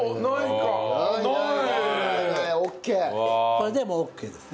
それでもうオッケーです。